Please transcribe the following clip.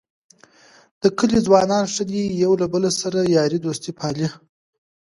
د کلي ځوانان ښه دي یو له بل سره یارۍ دوستۍ پالي.